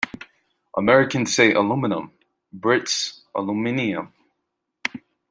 Americans say aluminum, Brits aluminium